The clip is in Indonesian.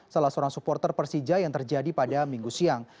salah seorang supporter persija yang terjadi pada minggu siang